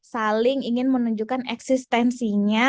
saling ingin menunjukkan eksistensinya